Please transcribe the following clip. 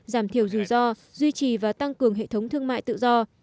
giảm thiểu dù do duy trì và tăng cường hệ thống thương mại tự do